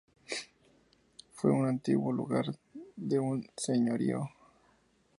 Fue un antiguo lugar de un señorío.